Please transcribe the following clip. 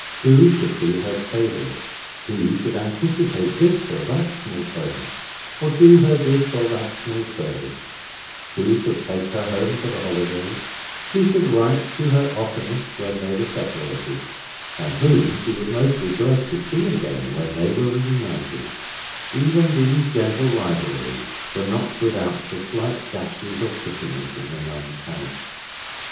Who should be her favourite, who should anticipate this or that small present, or do her this or that small service; who should take her home for the holidays; who should write to her the oftenest when they were separated, and whom she would most rejoice to see again when they were reunited; even these gentle rivalries were not without their slight dashes of bitterness in the Nuns' House.